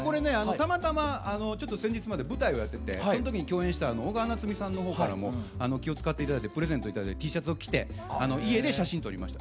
たまたま先日まで舞台をやっててその時に共演した小川菜摘さんのほうからも気を遣って頂いてプレゼント頂いたＴシャツを着て家で写真撮りました。